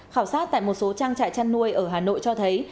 khảo sát tại một số trang trại chăn nuôi ở hà nội cho thấy